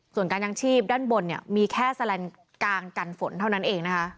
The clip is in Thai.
ส่วนการยางชีพด้านบนเนี่ยมีแค่แสลนด์กลางกันฝนเท่านั้นเองนะคะ